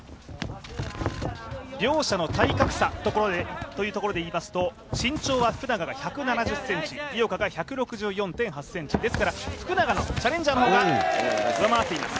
両者の体格差というところでいいますと身長は福永が１７０ｃｍ、井岡が１６４．８ｃｍ、福永の方が上回っています。